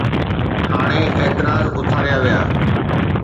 هاڻي اعتراض اٿاريا ويا.